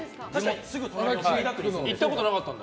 行ったことなかったんだ？